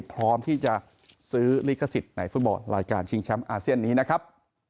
พร้อมที่จะซื้อลิขสิทธิ์ในฟุตบอลรายการชิงแชมป์อาเซียนนี้นะครับ